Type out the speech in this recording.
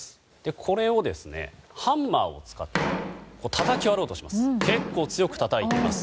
これをハンマーを使ってたたき割ろうとします。